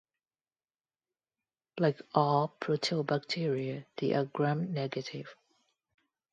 Like all Proteobacteria, they are Gram-negative.